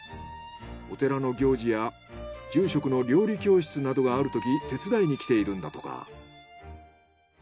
お寺の行事や住職の料理教室などがあるとき手伝いに来ているんだとか。